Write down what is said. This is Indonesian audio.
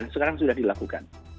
sekarang sudah dilakukan